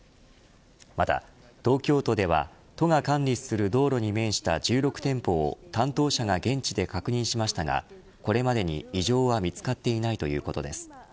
また東京都では都が管理する道路に面した１６店舗を、担当者が現地で確認しましたがこれまでに異常は見つかっていないということです。